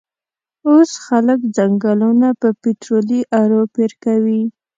وس خلک ځنګلونه په پیټررولي ارو پیرکوی